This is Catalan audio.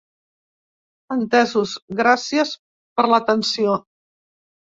Entesos, gràcies per l'atenció.